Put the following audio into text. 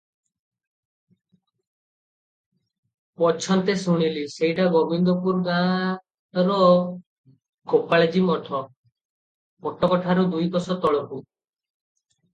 ପଛନ୍ତେ ଶୁଣିଲି, ସେଇଟା ଗୋବିନ୍ଦପୁର ଗାଁର ଗୋପାଳଜୀ ମଠ, କଟକଠାରୁ ଦୁଇକୋଶ ତଳକୁ ।